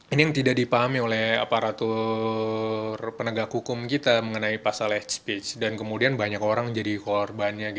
ini yang tidak dipahami oleh aparatur penegak hukum kita mengenai pasal h speech dan kemudian banyak orang jadi korbannya